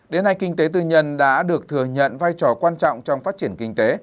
đến nay kinh tế tư nhân đã được thừa nhận vai trò quan trọng trong phát triển kinh tế